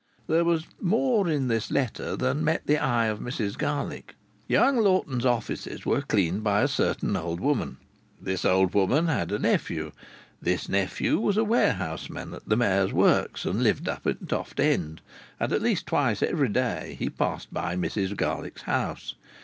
There was more in this letter than met the eye of Mrs Garlick. Young Lawton's offices were cleaned by a certain old woman; this old woman had a nephew; this nephew was a warehouseman at the Mayor's works, and lived up in Toft End, and at least twice every day he passed by Mrs Garlick's house.